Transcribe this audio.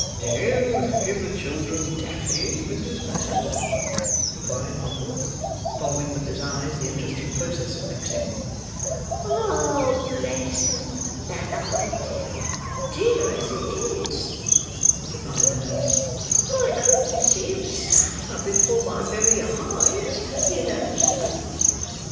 "Do you give the children Daffy, Mrs. Mann?" inquired Bumble, following with his eyes the interesting process of mixing. "Ah, bless 'em, that I do, dear as it is," replied the nurse. "I couldn't see 'em suffer before my very eyes, you know sir."